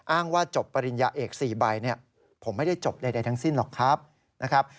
อ้างว่าจบปริญญาเอกสี่ใบผมไม่ได้จบใดทั้งสิ้นหรอกครับ